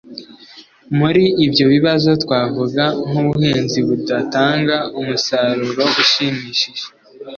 muri ibyo bibazo twavuga nk'ubuhinzi budatanga umusaruro ushimishije